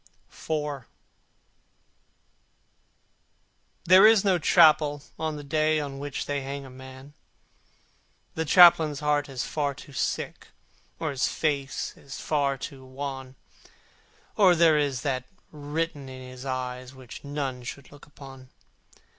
IV There is no chapel on the day On which they hang a man: The Chaplain's heart is far too sick, Or his face is far too wan, Or there is that written in his eyes Which none should look upon.